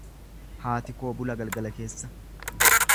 Haati koo bula galgala keessa.